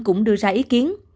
cũng đưa ra ý kiến